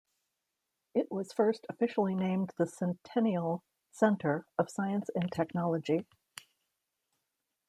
It was first officially named the "Centennial Centre of Science and Technology".